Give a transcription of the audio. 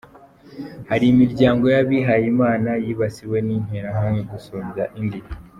Hari imiryango y’abihayimana yibasiwe n’Interahamwe gusumbya indi.